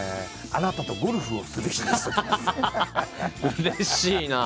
うれしいな。